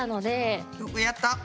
よくやった！